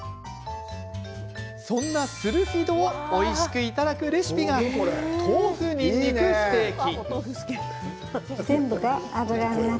そんなスルフィドをおいしくいただくレシピが豆腐にんにくステーキ。